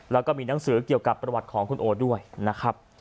แล้วก็มีหนังสือเกี่ยวกับประวัติของคุณโอด้วยนะครับ